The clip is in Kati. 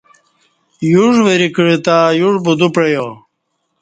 یوݜ وری کعتں یوݜ بُدو پعیا